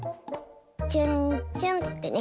チュンチュンってね。